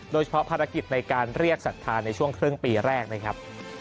โดยเฉพาะภารกิจในการเรียกศรัทธาในช่วงครึ่งปีแรกนะครับ